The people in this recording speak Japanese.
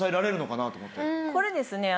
これですね